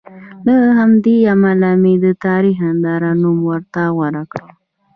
له همدې امله مې د تاریخ ننداره نوم ورته غوره کړ.